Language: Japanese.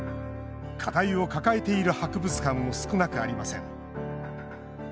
課題を抱えている博物館も少なくありません。